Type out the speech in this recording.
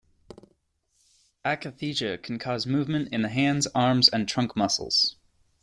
Akathisia can cause movement in the hands, arms, and trunk muscles.